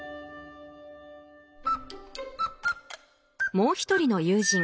もう一人の友人Ｃ君。